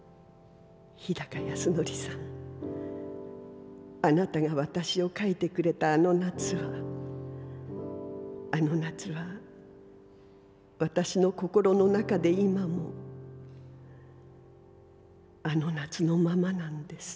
日高安典さんあなたが私を描いてくれたあの夏はあの夏は私の心のなかで今もあの夏のままなんです」。